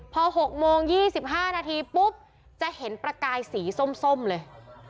พอ๖โมง๒๕นาทีปุ๊บจะเห็นประกายสีส้มเลย